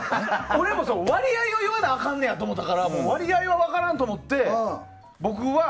俺も割合を言わなあかんねやと思ったけど割合が分からんと思って。